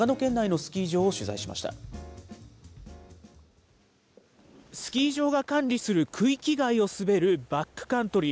スキー場が管理する区域外を滑るバックカントリー。